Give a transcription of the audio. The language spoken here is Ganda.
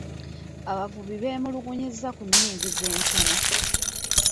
Abavubi beemulugunyizza ku nnyingiza entono.